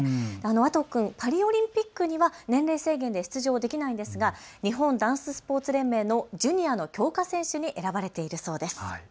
湧都君パリオリンピックには年齢制限で出場できないんですが日本ダンススポーツ連盟のジュニアの強化選手に選ばれているそうです。